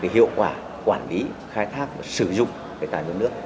hiệu quả quản lý khai thác và sử dụng tài nguyên nước